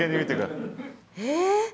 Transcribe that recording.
え。